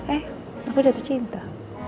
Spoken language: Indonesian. eh aku jatuh cinta